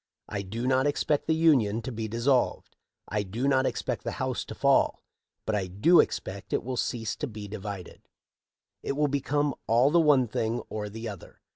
I do not expect the Union to be dissolved, I do not expect the house to fall— but I do expect it will cease to be divided It will become all the one thing or the other.